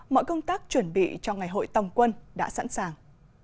mọi công tác chuẩn bị cho ngày hội tòng quân đã sẵn sàng